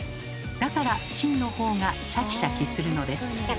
だから芯のほうがシャキシャキするのです。